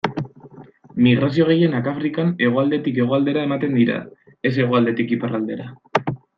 Migrazio gehienak Afrikan hegoaldetik hegoaldera ematen dira, ez hegoaldetik iparraldera.